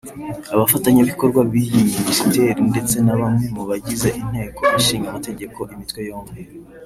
abafatanya bikorwa b’iyi Minisiteri ndetse na bamwe mubagize inteko ishinga amategeko imitwe yombi